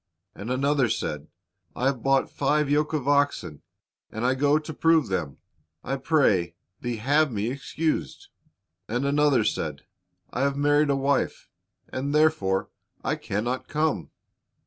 And another said, I have bought five yoke of oxen, and I go to prove them; I pray thee have me excused. And another said, I have married a wife, and therefore I can not come."